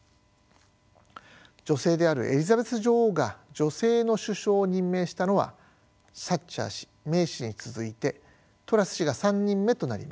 女性であるエリザベス女王が女性の首相を任命したのはサッチャー氏メイ氏に続いてトラス氏が３人目となります。